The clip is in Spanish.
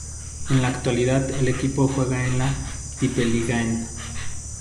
En la actualidad el equipo juega en la Tippeligaen.